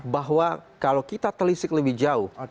bahwa kalau kita telisik lebih jauh